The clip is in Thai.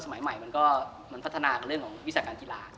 สมัยใหม่มันก็มันพัฒนากับเรื่องของวิศักดิ์การกีฬา